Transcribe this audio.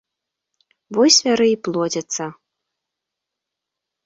Вось звяры і плодзяцца.